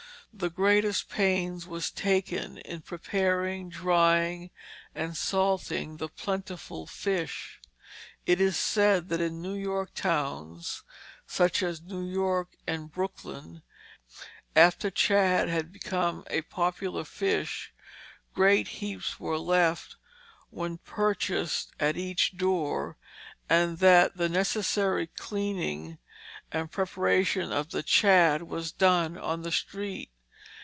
The greatest pains was taken in preparing, drying, and salting the plentiful fish. It is said that in New York towns, such as New York and Brooklyn, after shad became a popular fish, great heaps were left when purchased at each door, and that the necessary cleaning and preparation of the shad was done on the street.